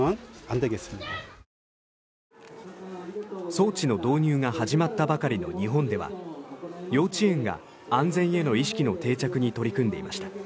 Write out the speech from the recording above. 装置の導入が始まったばかりの日本では幼稚園が安全への意識の定着に取り組んでいました。